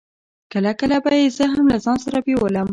کله کله به يې زه هم له ځان سره بېولم.